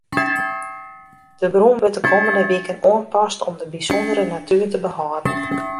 De grûn wurdt de kommende wiken oanpast om de bysûndere natuer te behâlden.